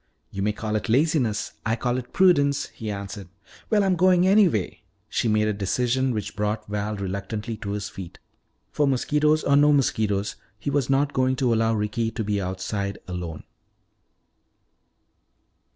"You may call it laziness; I call it prudence," he answered. "Well, I'm going anyway," she made a decision which brought Val reluctantly to his feet. For mosquitoes or no mosquitoes, he was not going to allow Ricky to be outside alone.